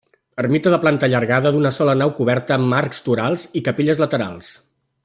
Ermita de planta allargada d'una sola nau coberta amb arcs torals i capelles laterals.